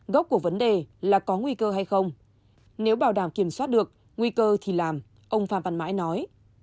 gốc của vấn đề là có nguy cơ hay không nếu bảo đảm kiểm soát được nguy cơ thì làm ông phan văn mãi nói